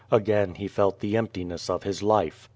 Again he felt the emptiness of his life.